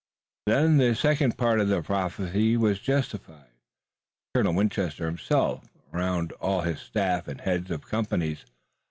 Then the second part of the prophecy was justified. Colonel Winchester himself aroused all his staff and heads of companies.